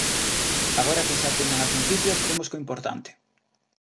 Agora que xa teñen as noticias imos co importante.